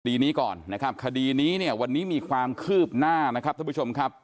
คดีนี้ก่อนนะครับคดีนี้เนี่ยวันนี้มีความคืบหน้านะครับท่านผู้ชมครับ